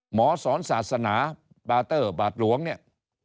หมอสอนศาสนาบาเตอร์บาดหลวงเนี่ย